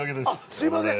すいません。